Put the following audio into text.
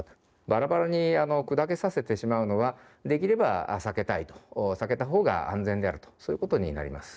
ばらばらに砕けさせてしまうのはできれば避けたいと避けたほうが安全であるとそういうことになります。